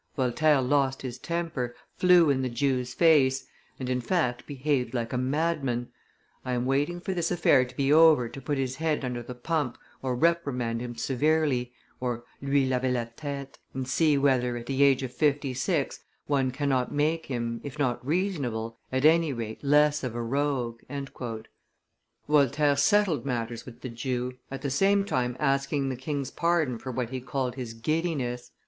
Voltaire lost his temper, flew in the Jew's face, and, in fact, behaved like a madman. I am waiting for this affair to be over to put his head under the pump or reprimand him severely (lui laver la tete), and see whether, at the age of fifty six, one cannot make him, if not reasonable, at any rate less of a rogue." Voltaire settled matters with the Jew, at the same time asking the king's pardon for what he called his giddiness.